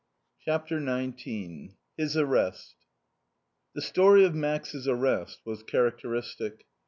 CHAPTER XIX HIS ARREST The story of Max's arrest was characteristic.